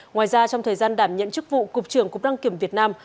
ngoài ra trong thời gian đảm nhiệm chức vụ cục trưởng cục đăng kiểm việt nam